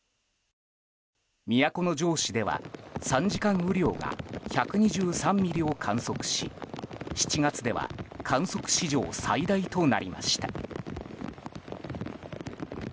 都城市では３時間雨量が１２３ミリを観測し７月では観測史上最大となりました。